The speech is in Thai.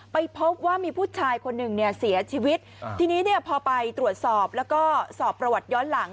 ไปพบว่ามีผู้ชายคนหนึ่งเนี่ยเสียชีวิตทีนี้เนี่ยพอไปตรวจสอบแล้วก็สอบประวัติย้อนหลัง